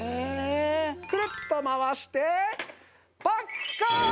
くるっと回してパッカーン！